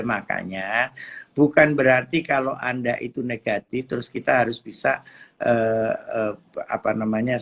makanya bukan berarti kalau anda itu negatif terus kita harus bisa apa namanya